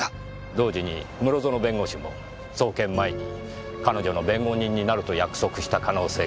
同時に室園弁護士も送検前に彼女の弁護人になると約束した可能性があります。